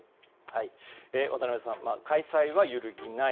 渡辺さん開催は揺るぎない。